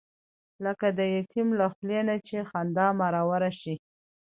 لکه د یتیم له خولې نه چې خندا مروره شي.